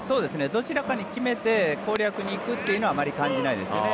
どちらかに決めて攻略に行くというのはあまり感じないですね。